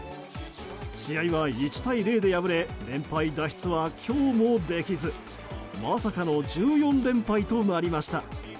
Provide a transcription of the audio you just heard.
試合は１対０で敗れ連敗脱出は今日もできずまさかの１４連敗となりました。